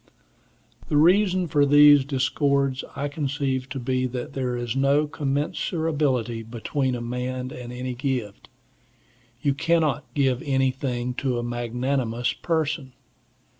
The reason for these discords I conceive to be that there is no commensurability between a man and any gift. You cannot give anything to a magnanimous person.